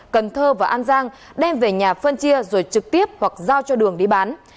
cần thơ và an giang đem về nhà phân chia rồi trực tiếp hoặc giao cho đường đi bán